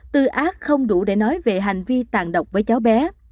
từ ác không đủ để nói về hành vi tàn độc với cháu bé